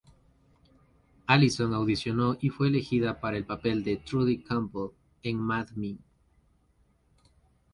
Alison audicionó y fue elegida para el papel de Trudy Campbell en "Mad Men".